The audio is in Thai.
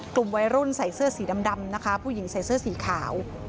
กลุ่มวัยรุ่นใส่เสื้อสีดำนะคะผู้หญิงใส่เสื้อสีขาว